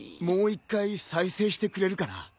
もう一回再生してくれるかな？